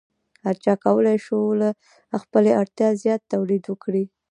هر چا کولی شو له خپلې اړتیا زیات تولید وکړي.